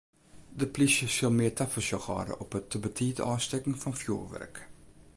De plysje sil mear tafersjoch hâlde op it te betiid ôfstekken fan fjoerwurk.